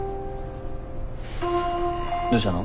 どうしたの？